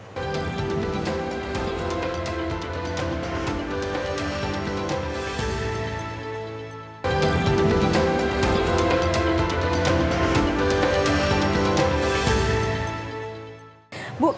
saya menjadi seseorang yang bisa menyokong